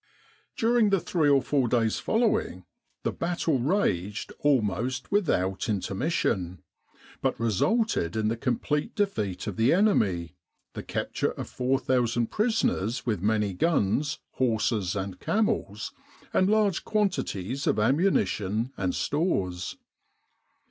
During the three or four days following, the battle raged almost without intermission, but resulted in the in With the R.A.M.C. in Egypt complete defeat of the enemy, the capture of 4,000 prisoners with many guns, horses, and camels, and large quantities of ammunition and* stores.